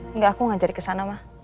enggak aku gak jadi kesana ma